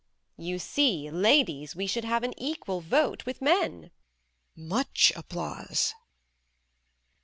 You see ladies we should have an equal vote with men. (Much applause).